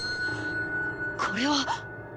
これは。